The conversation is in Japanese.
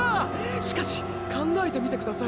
しかし考えてみてください。